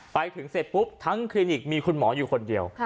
ไปถึงเสร็จปุ๊บทั้งคลินิกมีคุณหมออยู่คนเดียว